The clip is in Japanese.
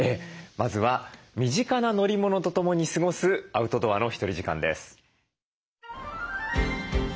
まずは身近な乗り物とともに過ごすアウトドアのひとり時間です。